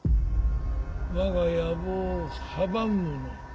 わが野望を阻むもの。